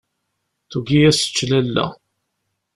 Tugi ad tečč lalla.